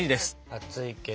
熱いけど。